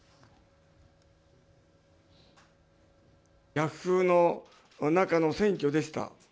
逆風の中の選挙でした。